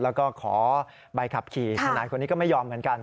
แล้วก็ขอใบขับขี่ทนายคนนี้ก็ไม่ยอมเหมือนกัน